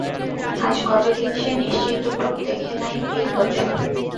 আজ কতদিন সে নিশ্চিন্দিপুর দেখে নাই-তি-ন বৎসর!